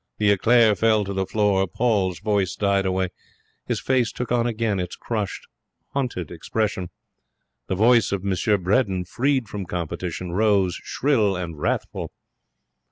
The eclair fell to the floor. Paul's voice died away. His face took on again its crushed, hunted expression. The voice of M. Bredin, freed from competition, rose shrill and wrathful.